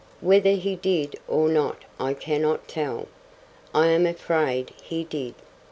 Whether he did or not I cannot tell. I am afraid he did.